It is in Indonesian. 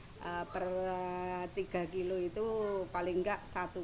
berapa lama kalau bikin itu